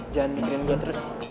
jangan mikirin gue terus